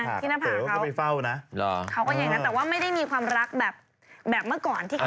แต่ว่ามันไม่ได้มีความรักแบบใหม่ก่อน